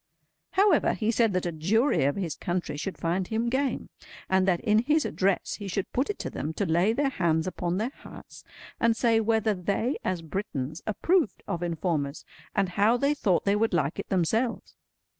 However, he said that a jury of his country should find him game; and that in his address he should put it to them to lay their hands upon their hearts and say whether they as Britons approved of informers, and how they thought they would like it themselves.